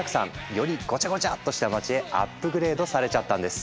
よりごちゃごちゃっとした街へアップグレードされちゃったんです。